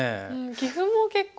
棋譜も結構。